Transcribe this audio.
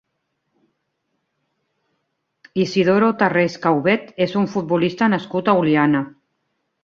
Isidoro Tarrés Caubet és un futbolista nascut a Oliana.